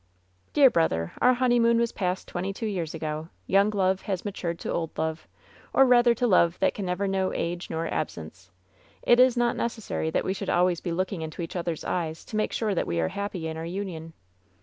"Dear brother, our honeymoon was passed twenty two years ago. Young love has matured to old love, or rather to love that never can know age nor absence. It it not necessary that we should always be looking into each other's eyes to make sure that we are happy in our imion."